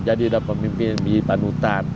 jadilah pemimpin yang bisa dipanutan